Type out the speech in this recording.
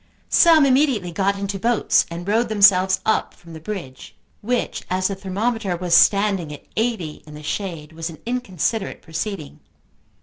Some immediately got into boats and rowed themselves up from the bridge, which, as the thermometer was standing at eighty in the shade, was an inconsiderate proceeding.